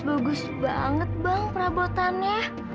bagus banget bang perabotannya